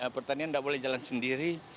pertanian tidak boleh jalan sendiri